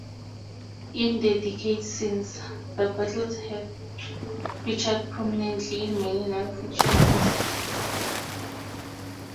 In the decades since, the battle has featured prominently in many non-fiction works.